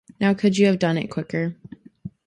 Now, could you have done it quicker?